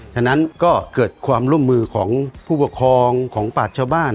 ฉะนั้นก็เกิดความร่วมมือของผู้ปกครองของปากชาวบ้าน